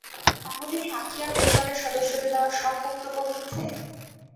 তাহলে স্বাক্ষী আর পরিবারের সদস্যদের দেওয়া সব বক্তব্য মিথ্যা?